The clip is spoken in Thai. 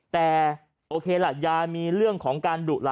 แต่โอเคล่ะยายมีเรื่องของการดุล่ะ